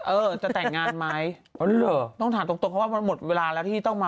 เอ่อจะแต่งงานไหม